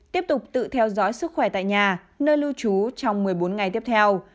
tiếp tục tự theo dõi sức khỏe tại nhà nơi lưu trú trong một mươi bốn ngày tiếp theo